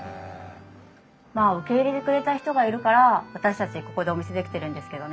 まあ受け入れてくれた人がいるから私たちここでお店できてるんですけどね。